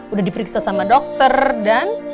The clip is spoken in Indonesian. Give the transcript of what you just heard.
udah diperiksa sama dokter dan